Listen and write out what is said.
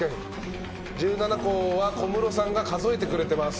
１７個は小室さんが数えてくれてます。